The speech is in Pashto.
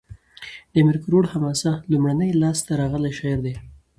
د امیر کروړ حماسه؛ لومړنی لاس ته راغلی شعر دﺉ.